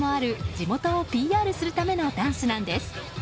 地元をＰＲするためのダンスなんです。